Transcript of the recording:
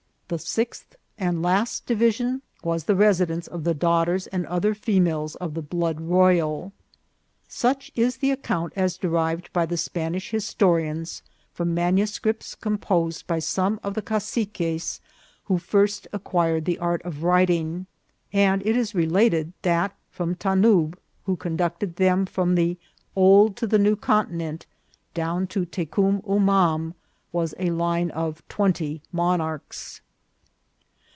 The sixth and last division was the residence of the daughters and other females of the blood royal. Such is the account as derived by the Spanish histo rians from manuscripts composed by some of the ca ciques who first acquired the art of writing ; and it is related that from Tanub, who conducted them from the old to the new Continent, down to Tecum Umam, was a line of twenty monarchs.